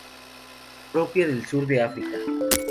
Propia del sur de África.